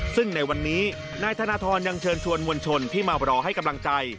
ซึ่งในวันนี้นายธนทรยังเชิญชวนมวลชนที่มารอให้กำลังใจ